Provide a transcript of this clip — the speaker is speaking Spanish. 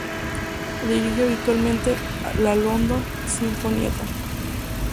Dirige habitualmente la London Sinfonietta.